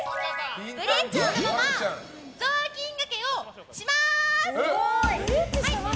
ブリッジしたまま雑巾がけをします！